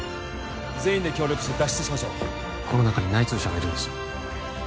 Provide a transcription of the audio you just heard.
全員で協力して脱出しましょうこの中に内通者がいるんですよ